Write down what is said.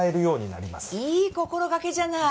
いい心がけじゃない。